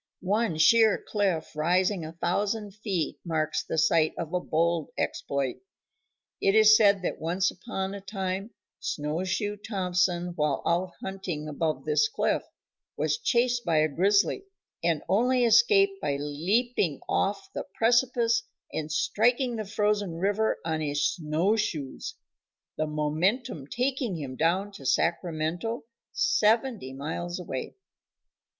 One sheer cliff rising a thousand feet marks the site of a bold exploit. It is said that once upon a time Snowshoe Thompson, while out hunting above this cliff, was chased by a grizzly, and only escaped by leaping off the precipice and striking the frozen river on his snow shoes, the momentum taking him down to Sacramento, seventy miles away.